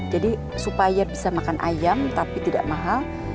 jadi supaya bisa makan ayam tapi tidak mahal